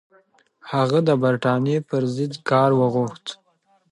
هغه د برټانیې پر ضد کار وغوښت.